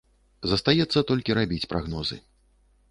Застаецца толькі рабіць прагнозы.